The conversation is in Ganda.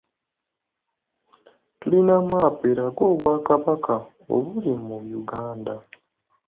Tulina mmaapu eraga obwakabaka obuli mu Uganda.